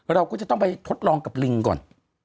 เราก็จะต้องไปทดลองกับลิงก่อน